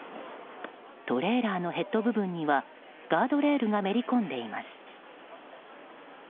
トレーラーのヘッド部分にはガードレールがめり込んでいます。